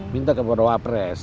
minta kepada wapres